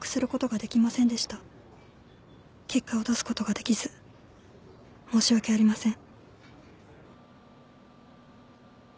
「結果を出すことができず申し訳ありません」